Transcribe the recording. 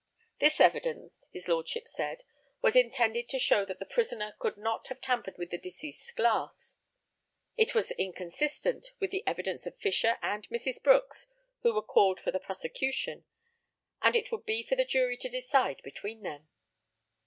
This evidence, his lordship said, was intended to show that the prisoner could not have tampered with the deceased's glass; it was inconsistent with the evidence of Fisher and Mrs. Brooks, who were called for the prosecution, and it would be for the jury to decide between them.